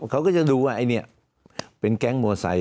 เขาก็จะดูว่านี่เป็นแก๊งโมไซ